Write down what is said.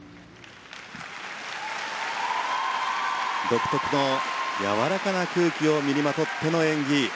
独特のやわらかな空気を身にまとっての演技。